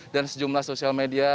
dan sejumlah sosial media